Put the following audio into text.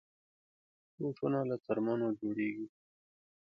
بوټونه له څرمنو جوړېږي.